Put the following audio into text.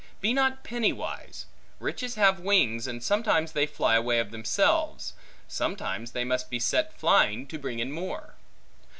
Be not penny wise; riches have wings, and sometimes they fly away of themselves, sometimes they must be set flying, to bring in more.